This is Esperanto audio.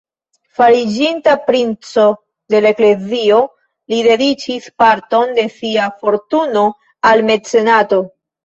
Fariĝinta princo de la Eklezio, li dediĉis parton de sia fortuno al mecenato.